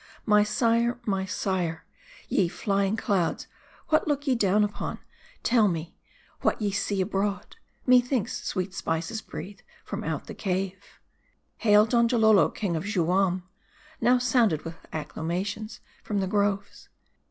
My sire ! my sire ! Ye fly ing clouds, what look ye down upon ? Tell me, what ye see abroad? Methinks* sweet spices breathe from out the cave." " Hail, Donjalolo, King of Juam," now sounded with acclamations from the groves.